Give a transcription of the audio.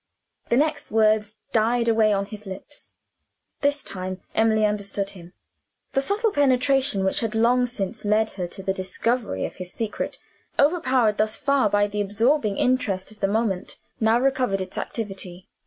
The next words died away on his lips. This time, Emily understood him. The subtle penetration which had long since led her to the discovery of his secret overpowered, thus far, by the absorbing interest of the moment now recovered its activity.